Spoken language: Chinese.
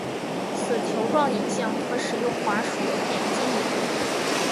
此球状影像可使用滑鼠点击移动。